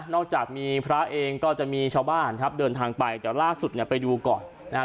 จากมีพระเองก็จะมีชาวบ้านครับเดินทางไปแต่ล่าสุดเนี่ยไปดูก่อนนะฮะ